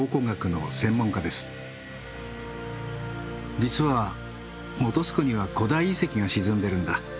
実は本栖湖には古代遺跡が沈んでるんだ。